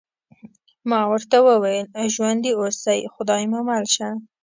ما ورته وویل: ژوندي اوسئ، خدای مو مل شه.